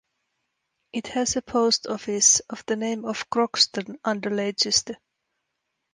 It has a post office, of the name of Croxton, under Leicester.